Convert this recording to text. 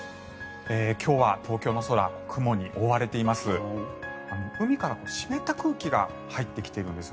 今日は東京の空雲に覆われています。